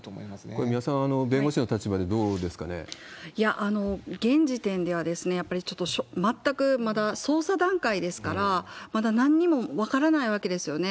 これ、三輪さん、現時点では、やっぱりちょっと、全くまだ捜査段階ですから、まだなんにも分からないわけですよね。